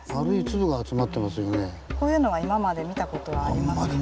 こういうのは今まで見た事はありますか？